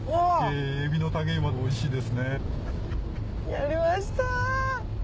やりました。